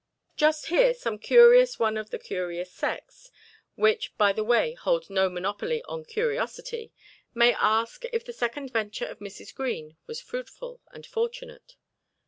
Just here some curious one of the curious sex, which by the way holds no monopoly on curiosity, may ask if the second venture of Mrs. Green was fruitful and fortunate.